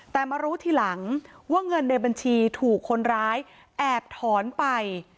แต่มารู้ทีหลังว่าเงินในบัญชีถูกคนร้ายแอบถอนไป